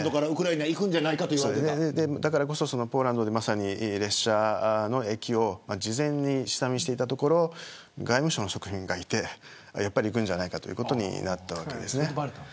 だからこそポーランドで列車の駅を事前に下見していたところ外務省職員がいてやっぱり行くんじゃないかということになりました。